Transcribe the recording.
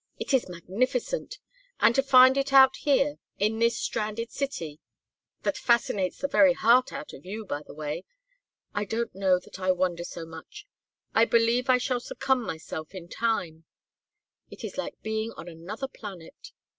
It is magnificent! And to find it out here in this stranded city that fascinates the very heart out of you, by the way I don't know that I wonder so much I believe I shall succumb myself in time it is like being on another planet.